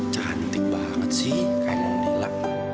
cantik banget sih kak nonnila